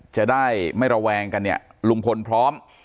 จะได้ไม่ระแวงกันเนี่ยลุงพลพร้อม